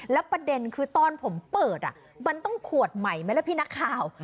แล้วประเด็นคือตอนผมเปิดมันต้องขวดใหม่ไหมล่ะพี่นักข่าว